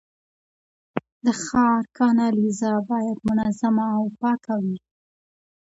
د ښار کانالیزه باید منظمه او پاکه وي.